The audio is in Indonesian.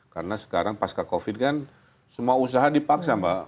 karena sekarang pasca covid kan semua usaha dipaksa mba